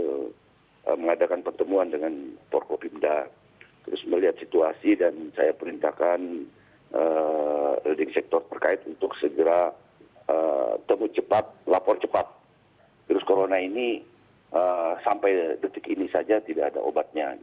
saya mengadakan pertemuan dengan forkopimda terus melihat situasi dan saya perintahkan leading sektor terkait untuk segera temu cepat lapor cepat virus corona ini sampai detik ini saja tidak ada obatnya